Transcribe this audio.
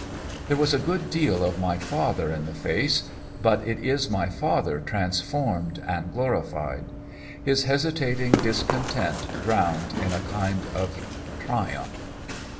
"There is a good deal of my father in the face, but it is my father transformed and glorified; his hesitating discontent drowned in a kind of triumph.